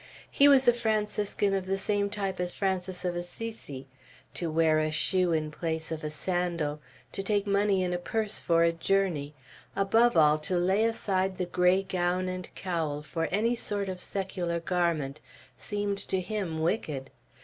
He was a Franciscan of the same type as Francis of Assisi. To wear a shoe in place of a sandal, to take money in a purse for a journey, above all to lay aside the gray gown and cowl for any sort of secular garment, seemed to him wicked.